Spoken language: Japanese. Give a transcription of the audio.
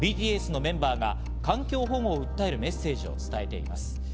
ＢＴＳのメンバーが環境保護を訴えるメッセージを伝えています。